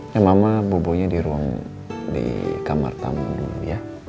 ya mama bobonya di ruang di kamar tamu dulu ya